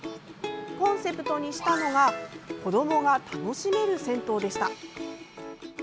コンセプトにしたのが「子どもが楽しめる銭湯」でした。